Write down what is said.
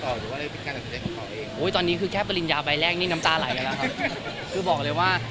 คุณบ๊วยเพราะตอนนี้แค้นกาลินยาไบแรกนี่น้ำตาไหล